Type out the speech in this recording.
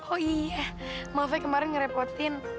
oh iya maaf ya kemarin ngerepotin